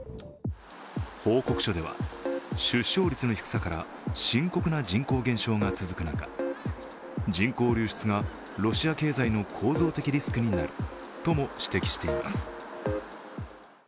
報告書では出生率の低さから深刻な人口減少が続く中、人口流出がロシア経済の構造的リスクになるとも指摘しています。